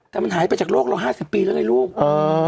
แต่มันหายไปจากโลกเราห้าสิบปีแล้วไงลูกเออ